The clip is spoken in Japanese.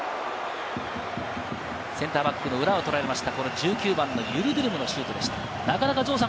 センターバックの裏を取られました。